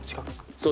そう。